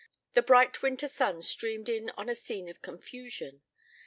The bright winter sun streamed in on a scene of confusion.